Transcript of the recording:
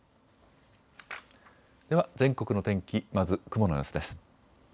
では全国の天気、まず雲の様子です。